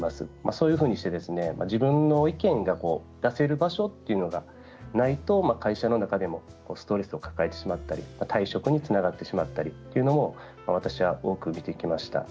そういうふうにして自分の意見が出せる場所というのがないと会社の中でもストレスを抱えてしまったり退職につながってしまったりというのも私は多く見てきました。